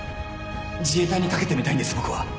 自衛隊にかけてみたいんです僕は！